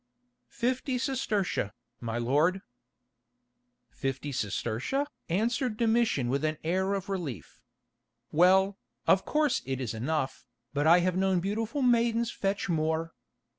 "Fifty sestertia, my lord." "Fifty sestertia?" answered Domitian with an air of relief. "Well, of course it is enough, but I have known beautiful maidens fetch more.